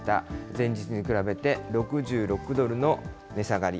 前日に比べて６６ドルの値下がり。